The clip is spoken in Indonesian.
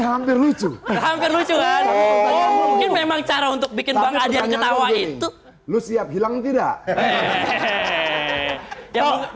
hampir lucu lucu kan ini memang cara untuk bikin banget dia ketawa itu lu siap hilang tidak hehehehe